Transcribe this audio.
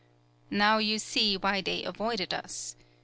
Now you see why they avoided us.